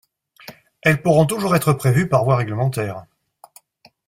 Elles pourront toujours être prévues par voie réglementaire.